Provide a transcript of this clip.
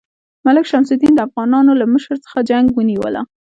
ملک شمس الدین د افغانانو له مشر څخه جنګ ونیوله.